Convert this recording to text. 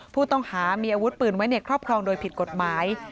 ผู้ต้องหามีอาวุธปืนไว้ในครอบครองโดยผิดกฎหมาย